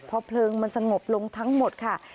พอเพลิงมันสงบลงทั้งหมดค่ะ